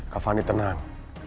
kak fani tenang